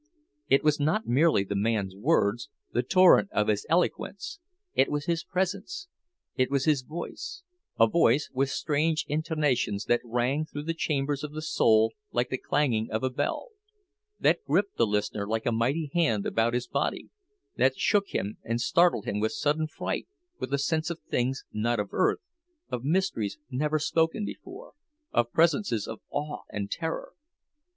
It was not merely the man's words, the torrent of his eloquence. It was his presence, it was his voice: a voice with strange intonations that rang through the chambers of the soul like the clanging of a bell—that gripped the listener like a mighty hand about his body, that shook him and startled him with sudden fright, with a sense of things not of earth, of mysteries never spoken before, of presences of awe and terror!